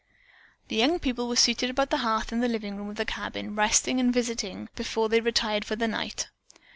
The young people were seated about the hearth in the living room of the cabin resting and visiting before they retired for the night.